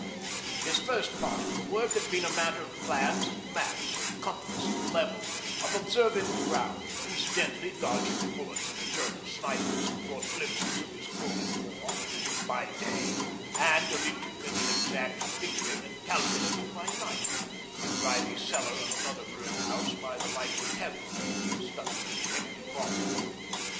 His first part of the work had been a matter of plans and maps, of compass and level, of observing the ground incidentally dodging the bullets of the German snipers who caught glimpses of his crawling form by day, and of intricate and exact figuring and calculating by night, in the grimy cellar of another ruined house by the light of a candle, stuck in an empty bottle.